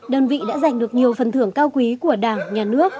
đơn vị đã giành được nhiều phần thưởng cao quý của đảng nhà nước